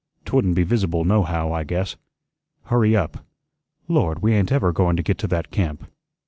'Twouldn't be visible nohow, I guess. Hurry up. Lord, we ain't ever going to get to that camp."